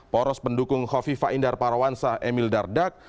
poros pendukung hovifa indar parawansa emil dardak